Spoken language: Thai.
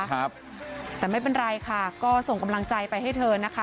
ครับแต่ไม่เป็นไรค่ะก็ส่งกำลังใจไปให้เธอนะคะ